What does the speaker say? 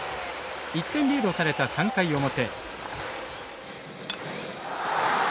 １点リードされた３回表。